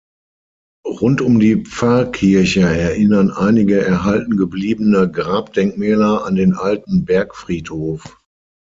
Rund um die Pfarrkirche erinnern einige erhalten gebliebene Grabdenkmäler an den alten Bergfriedhof.